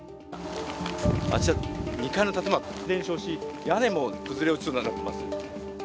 あちら、２階の建物は全焼し屋根も崩れ落ちそうになっています。